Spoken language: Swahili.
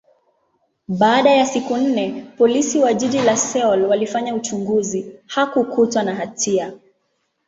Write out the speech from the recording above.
baada ya siku nne, Polisi wa jiji la Seoul walifanya uchunguzi, hakukutwa na hatia.